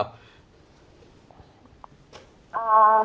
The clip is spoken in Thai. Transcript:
พี่ครับ